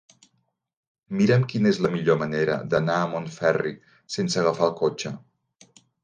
Mira'm quina és la millor manera d'anar a Montferri sense agafar el cotxe.